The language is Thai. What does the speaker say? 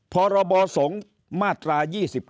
พศมาตรา๒๙